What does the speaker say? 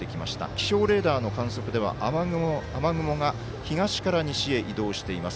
気象レーダーの観測では雨雲が東から西へ移動しています。